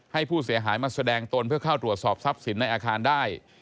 ให้ผู้เสียหายมาแสดงตนเพื่อเข้าตรวจสอบทรัพย์สินในอาคารได้